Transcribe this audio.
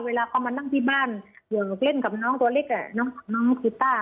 เวลาเขามานั่งที่บ้านอยู่เล่นกับน้องตัวเล็กน้องกีต้า